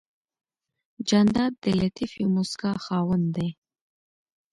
جانداد د لطیفې موسکا خاوند دی.